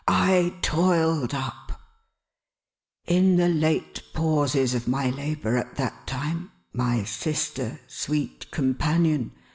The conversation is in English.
I toiled up ! In the late pauses of my labour at that time— my sister (sweet companion